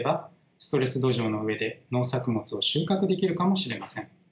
ストレス土壌の上で農作物を収穫できるかもしれません。